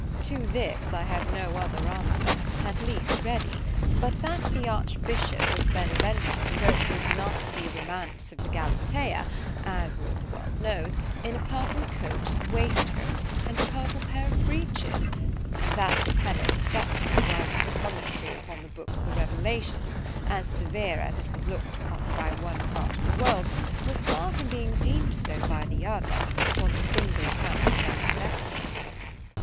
To this, I have no other answer——at least ready——but that the Archbishop of Benevento wrote his nasty Romance of the Galatea, as all the world knows, in a purple coat, waistcoat, and purple pair of breeches; and that the penance set him of writing a commentary upon the book of the Revelations, as severe as it was look'd upon by one part of the world, was far from being deem'd so, by the other, upon the single account of that _Investment.